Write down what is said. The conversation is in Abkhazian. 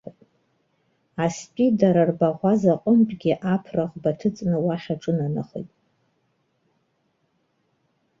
Астәи дара рбаӷәаза ҟнытәгьы аԥра-ӷба ҭыҵны уахь аҿынанахеит.